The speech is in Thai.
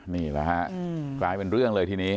นี่แหละฮะกลายเป็นเรื่องเลยทีนี้